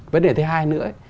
vấn đề thứ hai nữa